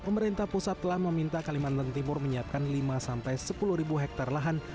pemerintah pusat telah meminta kalimantan timur menyiapkan lima sampai sepuluh hektare lahan